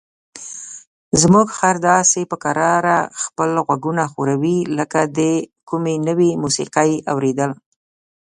زموږ خر داسې په کراره خپل غوږونه ښوروي لکه د کومې نوې موسیقۍ اوریدل.